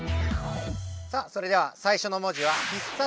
さあそれでは最初の文字は必殺！